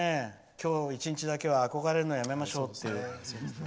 今日１日だけは憧れるのをやめましょうっていう。